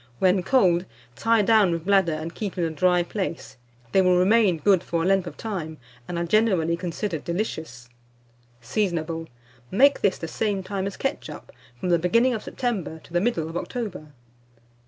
When cold, tie down with bladder and keep in a dry place; they will remain good for a length of time, and are generally considered delicious. Seasonable. Make this the same time as ketchup, from the beginning of September to the middle of October.